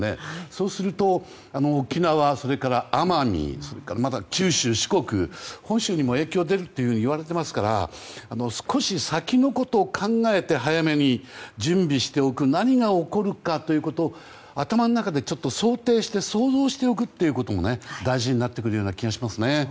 そうすると沖縄、奄美九州・四国本州にも影響が出ると言われていますから少し先のことを考えて早めに準備しておく何が起こるかということを頭の中で想定して想像しておくということも大事になるような気がしますね。